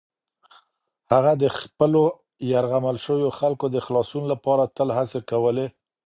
هغه د خپلو یرغمل شویو خلکو د خلاصون لپاره تل هڅې کولې.